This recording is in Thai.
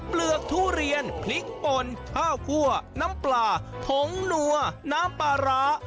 เปลือกทุเรียนพริกป่นข้าวคั่วน้ำปลาผงนัวน้ำปลาร้า